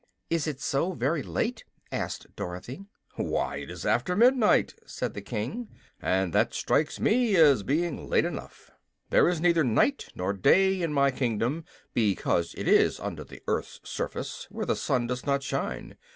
"Is it so very late?" asked Dorothy. "Why, it is after midnight," said the King, "and that strikes me as being late enough. There is neither night nor day in my kingdom, because it is under the earth's surface, where the sun does not shine.